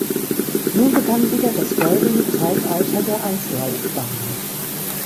Nun begann wieder das Goldene Zeitalter der Eislaufbahn.